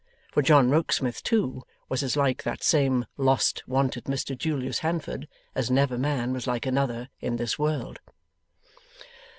For John Rokesmith, too, was as like that same lost wanted Mr Julius Handford as never man was like another in this world.